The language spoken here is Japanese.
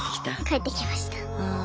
返ってきました。